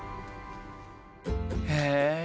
へえ！